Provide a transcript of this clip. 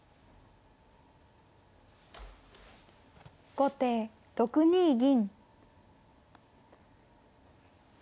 後手６二銀。